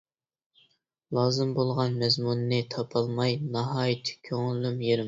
لازىم بولغان مەزمۇننى تاپالماي ناھايىتى كۆڭلۈم يېرىم.